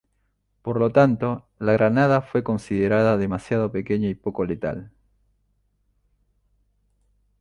Por lo tanto, la granada fue considerada demasiado pequeña y poco letal.